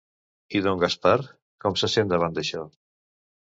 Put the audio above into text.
I don Gaspar com se sent davant d'això?